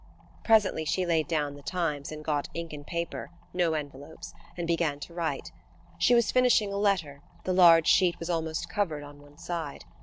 Presently she laid down the Times and got ink and paper–no envelopes–and began to write. She was finishing a letter, the large sheet was almost covered on one side.